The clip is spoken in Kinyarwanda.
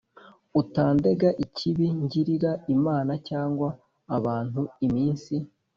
Utandega ikibi ngirira imana cyangwa abantu iminsi